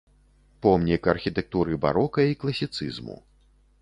Помнік архітэктуры барока і класіцызму.